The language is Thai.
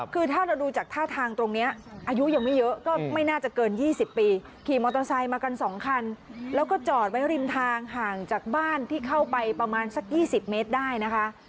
คือถ้าเราดูจากท่าทางตรงนี้อายุยังไม่เยอะก็ไม่น่าจะเกิน๒๐ปีขี่มอเตอร์ไซค์มากัน๒คันแล้วก็จอดไว้ริมทางห่างจากบ้านที่เข้าไปประมาณสัก๒๐เมตรได้นะคะ